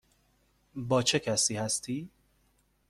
با چه کسی هستی؟